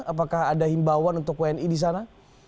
apakah ada himbauan untuk wni di sana